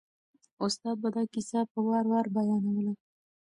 استاد به دا کیسه په وار وار بیانوله.